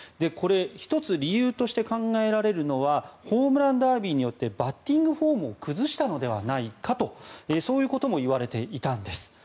１つ理由として考えられるのはホームランダービーによってバッティングフォームを崩したのではないかとそういうことも言われていたんです。